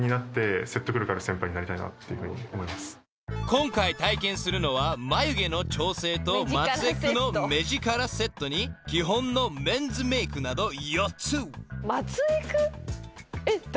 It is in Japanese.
［今回体験するのは眉毛の調整とマツエクの目ヂカラセットに基本のメンズメークなど４つ］